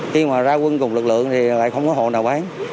khi mà ra quân cùng lực lượng thì lại không có hộ nào bán